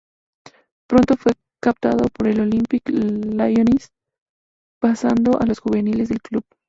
Pronto fue captado por el Olympique Lyonnais, pasando a los juveniles del club.